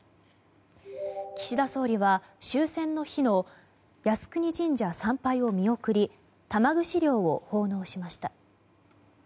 岸田総理は終戦の日の靖国神社参拝を見送り玉串料を奉納しました。